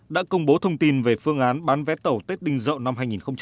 đã công bố thông tin về phương án bán vé tàu tết đinh dậu năm hai nghìn hai mươi